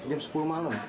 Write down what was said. jam sepuluh malam